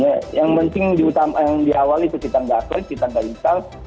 jadi yang penting yang di awal kita tidak klik kita tidak install